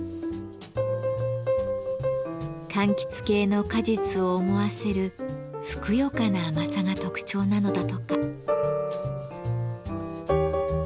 かんきつ系の果実を思わせるふくよかな甘さが特徴なのだとか。